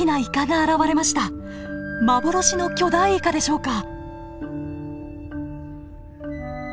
幻の巨大イカでしょうか？